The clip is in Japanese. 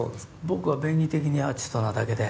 僕は便宜的にアーティストなだけで。